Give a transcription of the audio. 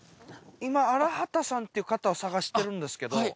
今荒幡さんっていう方を捜してるんですけど。